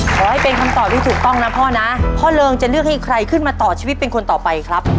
ขอให้เป็นคำตอบที่ถูกต้องนะพ่อนะพ่อเริงจะเลือกให้ใครขึ้นมาต่อชีวิตเป็นคนต่อไปครับ